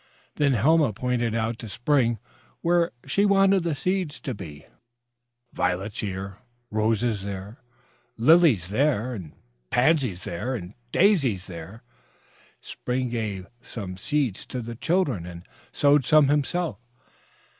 Then Helma pointed out to Spring where she wanted the seeds to be, violets here, roses there, lilies there, pansies there and daisies there. Spring gave some seeds to the children and sowed some himself.